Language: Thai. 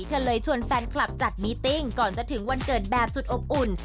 เธอเลยชวนแฟนคลับจัดมิติ้งก่อนจะถึงวันเกิดแบบสุดอบอุ่น